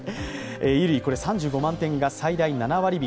衣類３５万点が最大３割引。